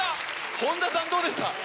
本田さんどうでした？